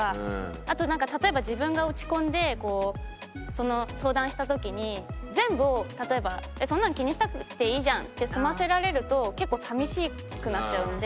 あとなんか例えば自分が落ち込んで相談した時に全部を例えば「そんなの気にしなくていいじゃん」って済ませられると結構寂しくなっちゃうんで。